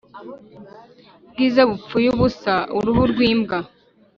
Bwiza bupfuye ubusa-Uruhu rw'imbwa.